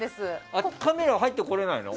カメラは入ってこれないの？